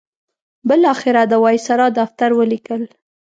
بالاخره د وایسرا دفتر ولیکل.